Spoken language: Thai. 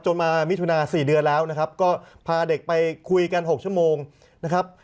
มามิถุนา๔เดือนแล้วนะครับก็พาเด็กไปคุยกัน๖ชั่วโมงนะครับ